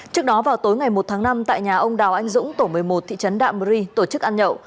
trước đó vào tối ngày một tháng năm tại nhà ông đào anh dũng tổ một mươi một thị trấn đạm ri tổ chức ăn nhậu